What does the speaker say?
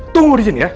tunggu disini ya